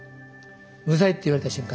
「無罪」って言われた瞬間